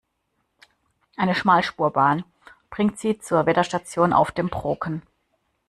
Eine Schmalspurbahn bringt Sie zur Wetterstation auf dem Brocken.